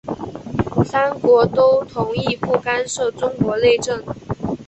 三国都同意不干涉中国内政。